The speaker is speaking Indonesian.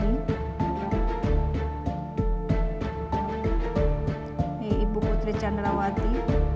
ini ibu putri candrawati